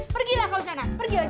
pergilah kau sana